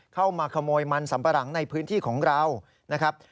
เข้ามาขโมยมันสัมปะหลังในพื้นที่ของเรานะครับ